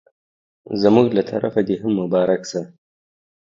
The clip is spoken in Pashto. زموږ له طرفه دي هم مبارک سه